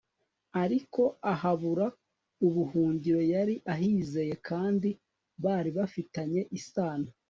ariko ahabura ubuhungiro yari ahizeye kandi bari bafitanye isano